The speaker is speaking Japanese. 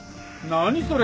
「何それ？」